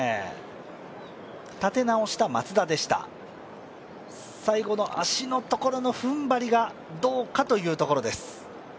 立て直した松田でしたが、最後の足のところの踏ん張りがどうかというところです。